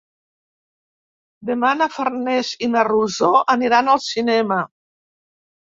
Demà na Farners i na Rosó aniran al cinema.